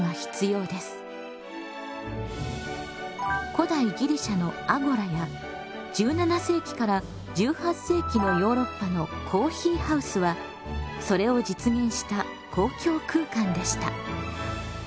古代ギリシャのアゴラや１７世紀から１８世紀のヨーロッパのコーヒーハウスはそれを実現した公共空間でした。